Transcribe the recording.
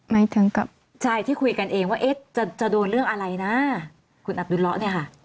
หมายถึงกับชายที่คุยกันเองว่าเอ๊ะจะโดนเรื่องอะไรนะคุณอับดุลละเนี่ยค่ะ